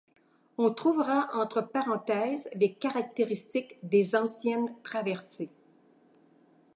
On trouvera entre parenthèses les caractéristiques des anciennes traversées.